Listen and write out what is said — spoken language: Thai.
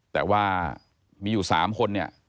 แต่ว่ามีอยู่๓คน